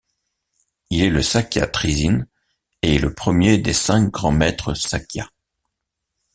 Il est le Sakya Trizin et le premier des Cinq Grands Maîtres Sakya.